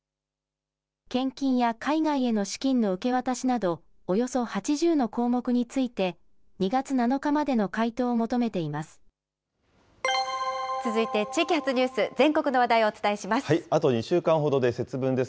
献金や海外への資金の受け渡しなど、およそ８０の項目について、２月７日までの回答を求めています。